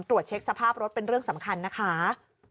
ตรวจเช็คสภาพรถเป็นเรื่องสำคัญนะคะ